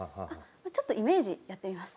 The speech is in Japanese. ちょっとイメージやってみます。